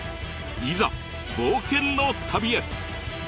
いざ冒険の旅へ！